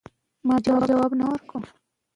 شاه اسماعیل د غوښو خوړلو امر په مستۍ کې ورکړ.